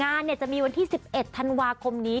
งานจะมีวันที่๑๑ธันวาคมนี้